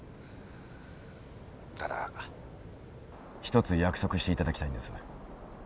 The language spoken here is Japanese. ただ一つ約束していただきたいんです。